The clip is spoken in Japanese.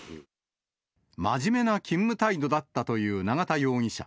真面目な勤務態度だったという永田容疑者。